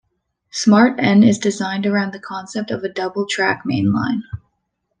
Smart-N is designed around the concept of a double track mainline.